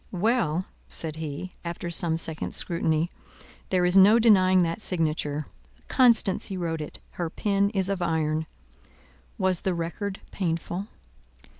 "Well," said he, after some seconds' scrutiny, "there is no denying that signature: Constancy wrote it: her pen is of iron. Was the record painful?"